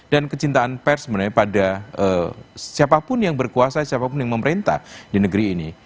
dan kecintaan pers pada siapapun yang berkuasa siapapun yang memerintah di negeri ini